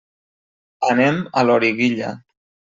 Anem a Loriguilla.